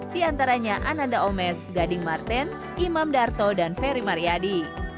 diantaranya ananda omes gading martin imam darto dan ferry mariadi